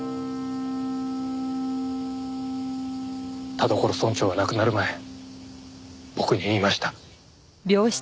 田所村長は亡くなる前僕に言いました。